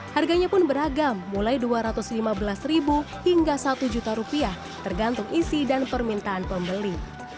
harganya pun beragam mulai rp dua ratus lima belas hingga rp satu tergantung isi dan permintaan pembeli